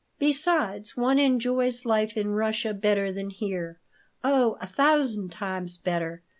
Besides, one enjoys life in Russia better than here. Oh, a thousand times better.